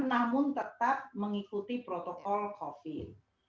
namun tetap mengikuti protokol covid